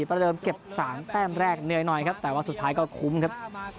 ประเดิมเก็บ๓แต้มแรกเหนื่อยหน่อยครับแต่ว่าสุดท้ายก็คุ้มครับ